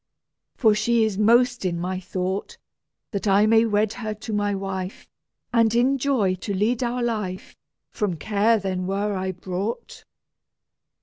For she is most in my thought: That I may wed her to my wife, And in joy to lead our life! From care then were I brought."